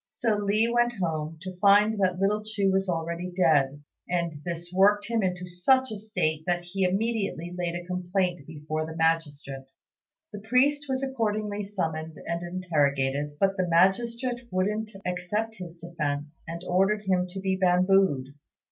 So Li went home, to find that little Chu was already dead; and this worked him into such a state that he immediately laid a complaint before the magistrate. The priest was accordingly summoned and interrogated; but the magistrate wouldn't accept his defence, and ordered him to be bambooed.